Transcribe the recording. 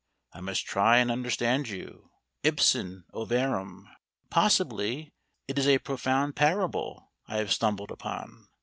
I must try and understand you, Ibsen Ovarum. Possibly it is a profound parable I have stumbled upon.